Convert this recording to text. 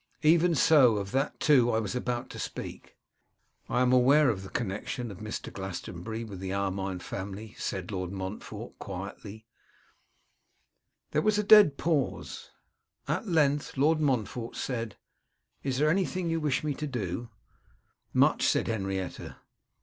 'Even so; of that, too, I was about to speak.' 'I am aware of the connection of Mr. Glastonbury with the Armine family,' said Lord Montfort, quietly. [Illustration: frontis page025.jpg] There was a dead pause. At length Lord Montfort said, 'Is there anything you wish me to do?' 'Much,' said Henrietta.